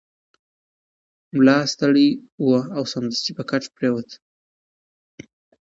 ملا ستړی و او سمدستي په کټ پریوت.